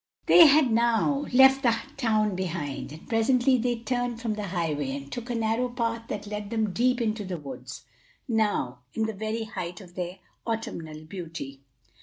They had now left the town behind, and presently they turned from the highway and took a narrow path that led them deep into the woods, now in the very height of their autumnal beauty.